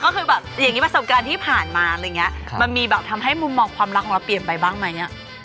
ก็คือแบบอย่างนี้ประสบการณ์ที่ผ่านมาอะไรอย่างนี้มันมีแบบทำให้มุมมองความรักของเราเปลี่ยนไปบ้างไหม